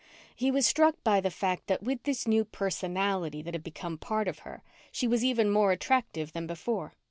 He was struck by the fact that with this new "personality" that had become a part of her, she was even more attractive than before.